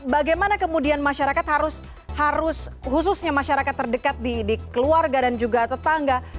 bagaimana kemudian masyarakat harus khususnya masyarakat terdekat di keluarga dan juga tetangga